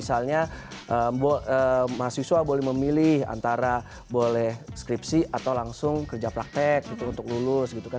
misalnya mahasiswa boleh memilih antara boleh skripsi atau langsung kerja praktek gitu untuk lulus gitu kan